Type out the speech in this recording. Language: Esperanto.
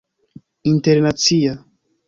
internacia